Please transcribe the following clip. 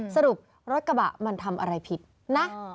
สรุปรถกระบะมันทำอะไรผิดนะ